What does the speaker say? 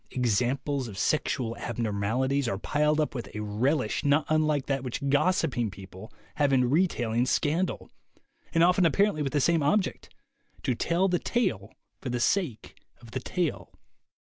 Examples of sexual abnormalities are piled up with a relish not unlike that which gossiping people have in re tailing scandal, and often apparently with the same object — to tell the tale for the sake of the tale.